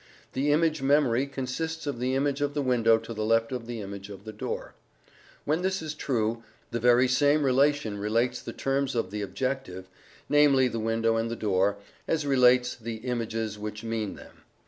The image memory consists of the image of the window to the left of the image of the door. When this is true, the very same relation relates the terms of the objective (namely the window and the door) as relates the images which mean them.